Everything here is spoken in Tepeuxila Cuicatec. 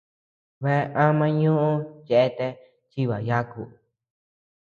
Bea ama ñoʼö cheatea chibaʼa yaku.